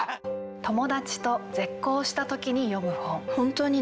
友達と絶交したときに読む本。